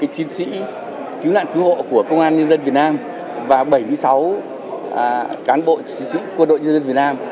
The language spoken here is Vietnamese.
hai mươi chiến sĩ cứu nạn cứu hộ của công an nhân dân việt nam và bảy mươi sáu cán bộ chiến sĩ quân đội nhân dân việt nam